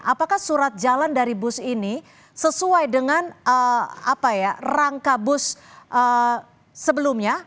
apakah surat jalan dari bus ini sesuai dengan rangka bus sebelumnya